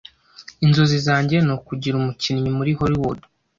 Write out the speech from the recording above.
Inzozi zanjye nukugira umukinnyi muri Hollywood.